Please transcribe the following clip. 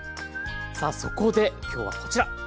さあそこで今日はこちら。